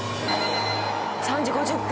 ３時５０分！